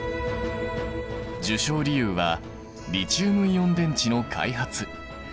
受賞理由はリチウムイオン電池の開発。